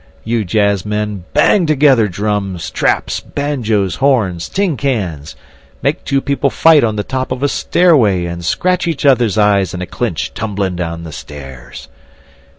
you jazzmen, bang altogether drums, traps, banjoes, horns, tin cans—make two people fight on the top of a stairway and scratch each other's eyes in a clinch tumbling down the stairs.